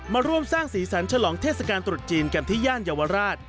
มาร่วมสร้างสีสันฉลองเทศกาลตรุษจีนกันที่ย่านเยาวราช